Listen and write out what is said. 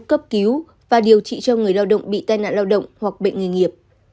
cấp cứu và điều trị cho người lao động bị tai nạn lao động hoặc bệnh nghề nghiệp